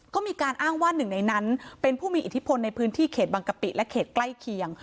ก็มีการอ้างว่าหนึ่งในนั้นเป็นผู้มีอิทธิพลในพื้นที่เขตบางกะปิและเขตใกล้เคียง